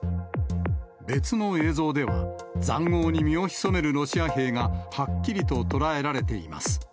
別の映像では、ざんごうに身を潜めるロシア兵がはっきりと捉えられています。